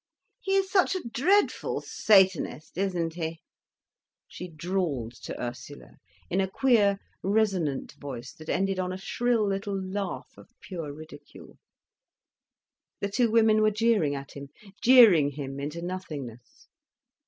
"He is such a dreadful satanist, isn't he?" she drawled to Ursula, in a queer resonant voice, that ended on a shrill little laugh of pure ridicule. The two women were jeering at him, jeering him into nothingness.